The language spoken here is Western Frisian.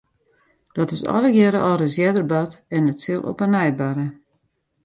Dat is allegearre al ris earder bard en it sil op 'e nij barre.